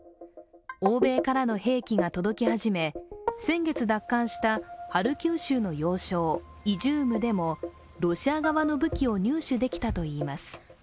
欧米からの兵器が届き始め先月奪還したハルキウ州の要衝イジュームでもロシア側の武器を入手できたといいます。